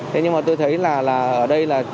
thế nhưng mà tôi thấy là ở đây là